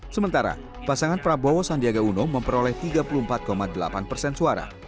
sementara pasangan prabowo sandiaga uno memperoleh tiga puluh empat delapan persen suara